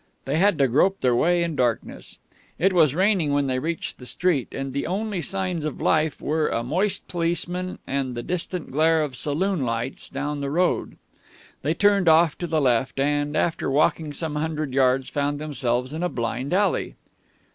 They had to grope their way in darkness. It was raining when they reached the street, and the only signs of life were a moist policeman and the distant glare of saloon lights down the road. They turned off to the left, and, after walking some hundred yards, found themselves in a blind alley.